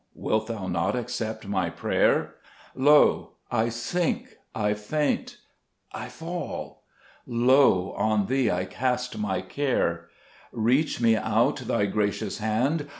Wilt Thou not accept my prayer ? Lo, I sink, I faint, I fall ! Lo, on Thee I cast my care ; Reach me out Thy gracious hand